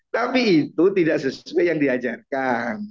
tapi itu tidak sesuai yang diajarkan